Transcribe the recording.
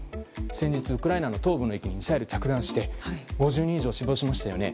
先日、ウクライナの東部の駅にミサイルが着弾して５０人以上が死亡しましたよね。